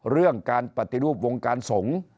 เรื่องการปฏิรูปวงการสงฆ์